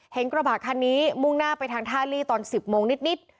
กระบะคันนี้มุ่งหน้าไปทางท่าลีตอน๑๐โมงนิด